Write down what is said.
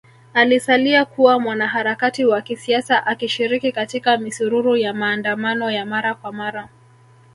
Alisalia kuwa mwanaharakati wa kisiasa akishiriki katika misururu ya maandamano ya mara kwa mara